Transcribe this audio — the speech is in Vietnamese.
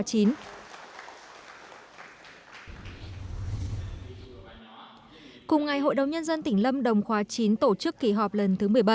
cùng ngày hội đồng nhân dân tỉnh lâm đồng khóa chín tổ chức kỳ họp lần thứ một mươi bảy